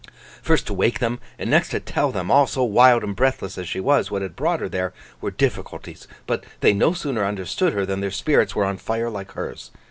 First to wake them, and next to tell them, all so wild and breathless as she was, what had brought her there, were difficulties; but they no sooner understood her than their spirits were on fire like hers.